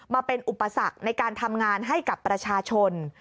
มาเป็นอุปสรรคในการทำงานให้กับประชาชน